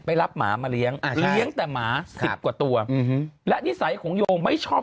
ไปรับหมามาเลี้ยงแต่หมาสิบกว่าตัวและนิสัยของโยไม่ชอบ